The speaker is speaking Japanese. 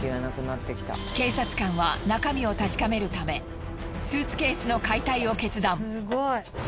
警察官は中身を確かめるためスーツケースの解体を決断。